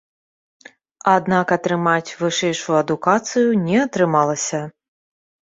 Аднак атрымаць вышэйшую адукацыю не атрымалася.